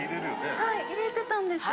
はい入れてたんですよ。